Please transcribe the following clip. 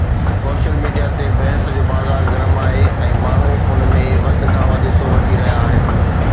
Social media تي بحث جو بازار گرم آهي ۽ ماڻهو ان ۾ وڌ کان وڌ حصو وٺي رهيا آهن.